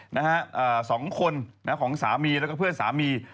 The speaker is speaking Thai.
นะฮะสองคนนะฮะของสามีแล้วก็เพื่อนสามี